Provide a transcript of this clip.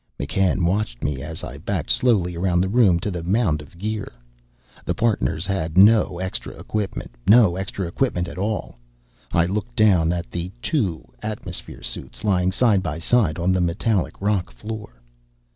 McCann watched me as I backed slowly around the room to the mound of gear. The partners had had no extra equipment, no extra equipment at all. I looked down at the two atmosphere suits lying side by side on the metallic rock floor.